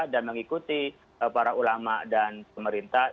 dan mengikuti para ulama dan pemerintah